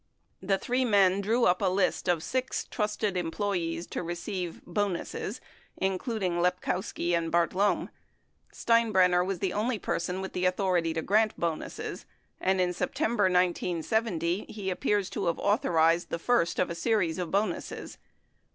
The three men drew up a list of six trusted employees to receive "bonuses," including Lepkowski and Bartlome. Steinbrenner was the only person with the authority to grant bonuses, and in September 1970 he appears to have authorized the first of a series of bonuses.